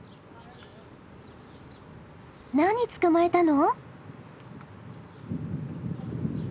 何捕まえたの？